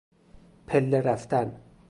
پله رفتن